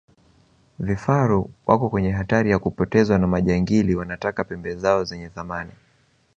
vifaru wako kwenye hatari ya kupotezwa na majangili wanataka pembe zao zenye thamani